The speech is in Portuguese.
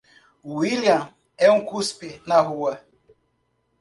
William é um cuspe na rua.